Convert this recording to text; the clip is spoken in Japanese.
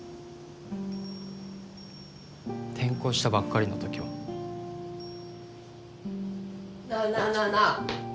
転校したばっかりの時は。なぁなぁなぁなぁ！